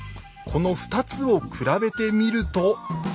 この２つを比べてみると。